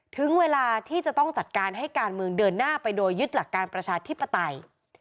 ถึงเวลาที่จะต้องจัดการให้การเมืองเดินหน้าไปโดยยึดหลักการประชาธิปไตย